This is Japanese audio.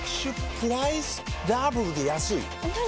プライスダブルで安いＮｏ！